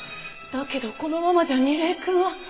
だけどこのままじゃ楡井くんは。